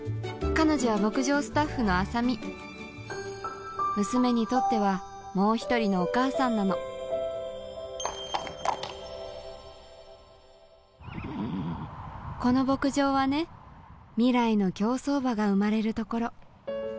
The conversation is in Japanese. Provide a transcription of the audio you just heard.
彼女は牧場スタッフのあさみ娘にとってはもう１人のお母さんなのこの牧場はね未来の競走馬が生まれる所